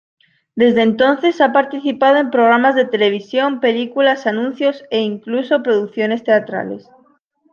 Desde entonces, ha participado en programas de televisión, películas, anuncios e, incluso, producciones teatrales.